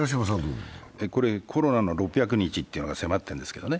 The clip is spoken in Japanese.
コロナの６００日というのが迫っているんですけれどもね。